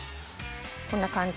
こんな感じ。